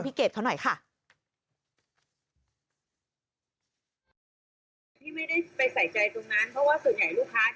พาร้านอะเออลองฟังพี่เกดเขาหน่อยค่ะ